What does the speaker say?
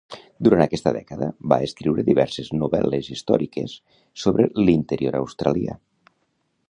Durant aquesta dècada, va escriure diverses novel·les històriques sobre l'interior australià.